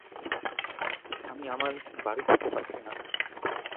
আমি আমার বাড়ি খুঁজে পাচ্ছি না।